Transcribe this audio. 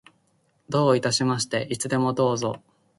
どういたしまして。いつでもどうぞ。